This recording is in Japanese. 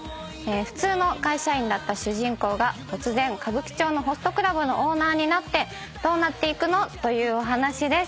普通の会社員だった主人公が突然歌舞伎町のホストクラブのオーナーになってどうなっていくの⁉というお話です。